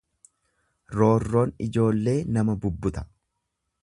Roorroon ijoollee nama bubbuta.